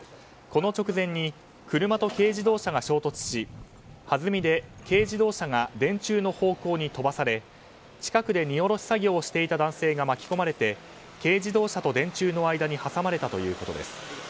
この直前に車と軽自動車が衝突しはずみで軽自動車が電柱の方向に飛ばされ近くで荷卸し作業をしていた男性が巻き込まれて軽自動車と電柱の間に挟まれたということです。